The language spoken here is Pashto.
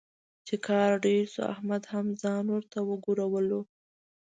چې کار ډېر شو، احمد هم ځان ورته وګرولو.